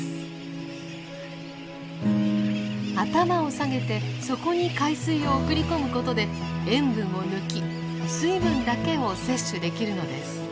頭を下げてそこに海水を送り込むことで塩分を抜き水分だけを摂取できるのです。